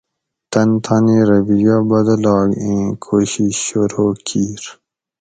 تن تانی رویہ بدلاگ اِیں کُو شیش شروع کیر